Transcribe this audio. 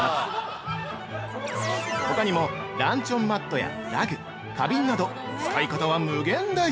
◆ほかにも、ランチョンマットやラグ、花瓶など、使い方は無限大。